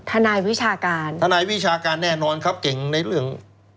นายวิชาการทนายวิชาการแน่นอนครับเก่งในเรื่อง